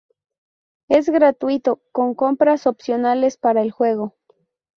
Es gratuito con compras opcionales para el juego.